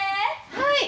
はい！